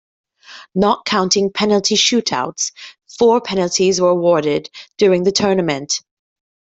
Not counting penalty shoot-outs, four penalties were awarded during the tournament.